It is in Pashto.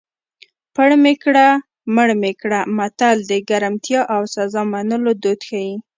پړ مې کړه مړ مې کړه متل د ګرمتیا او سزا منلو دود ښيي